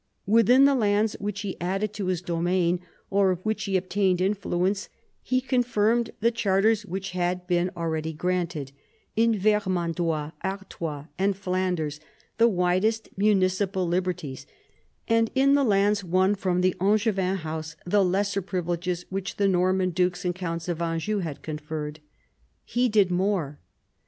Within the lands which he added to his domain, or of which he obtained influence, he confirmed the charters which had been already granted, — in Vermandois, Artois, and Flanders the widest municipal liberties, and in the lands won from the Angevin house the lesser privileges which the Norman dukes and counts of Anjou had conferred. He did more.